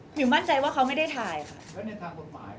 กลับตั้งที่ที่ไม่มีหลักฐาน